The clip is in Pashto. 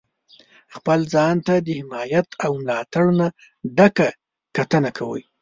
خپل ځان ته د حمایت او ملاتړ نه ډکه کتنه کوئ.